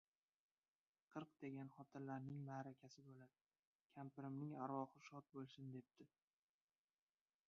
«Qirq degan xotinlarning ma’rakasi bo‘ladi. Kampirimning arvohi shod bo’lsin», debdi.